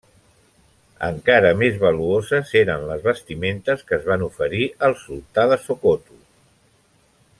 Encara més valuosos eren les vestimentes que es van oferir al sultà de Sokoto.